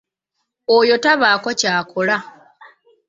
Oyo tabaako kyakola.